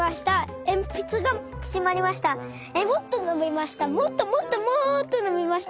えっもっとのびました。